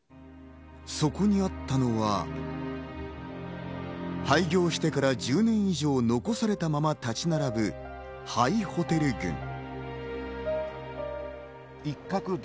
そこにあったのは、廃業してから１０年以上残されたまま立ち並ぶ廃ホテル群。